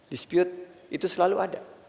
dispute itu selalu ada